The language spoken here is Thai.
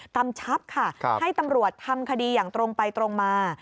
กชับค่ะให้ตำรวจทำคดีอย่างตรงไปตรงมา